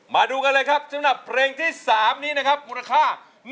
มาดูกันเลยครับสำหรับเพลงที่๓นี้นะครับมูลค่า